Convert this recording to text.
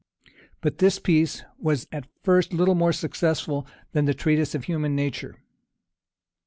But this piece was at first little more successful than the Treatise on Human Nature.